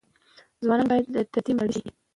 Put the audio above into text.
ځوانان باید د ده ملاتړي شي.